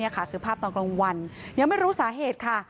คือภาพตอนกลางวันยังไม่รู้สาเหตุค่ะ